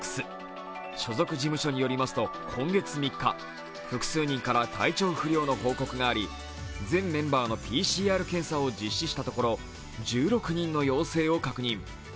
所属事務所によりますと今月３日複数人から体調不良の報告があり全メンバーのＰＣＲ検査を実施したところ、１６人の陽性を確認。